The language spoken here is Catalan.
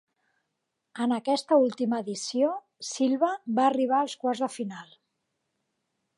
En aquesta última edició, Silva va arribar als quarts de final.